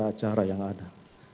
itu acara yang ada